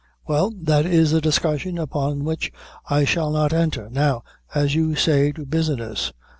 "Well, that is a discussion upon which I shall not enter. Now, as you say, to business."